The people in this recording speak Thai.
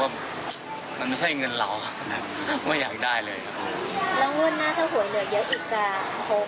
คุณพีชบอกไม่อยากให้เป็นข่าวดังเหมือนหวยโอนละเวง๓๐ใบจริงและก็รับลอตเตอรี่ไปแล้วด้วยนะครับ